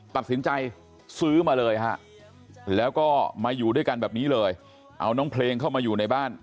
ตัดสินใจซื้อมาเลยฮะแล้วก็มาอยู่ด้วยกันแบบนี้เลยเอาน้องเพลงเข้ามาอยู่ในบ้าน